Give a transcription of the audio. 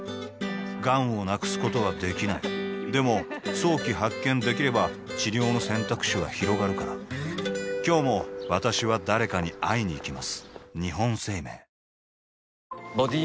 がんを無くすことはできないでも早期発見できれば治療の選択肢はひろがるから今日も私は誰かに会いにいきます